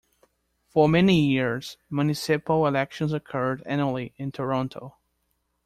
For many years, municipal elections occurred annually in Toronto.